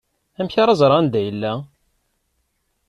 Amek ara ẓreɣ anda yella?